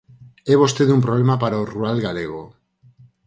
É vostede un problema para o rural galego.